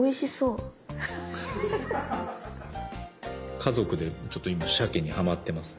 家族でちょっと今シャケにハマってますね。